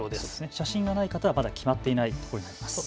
写真がない方は、まだ決まっていないところになります。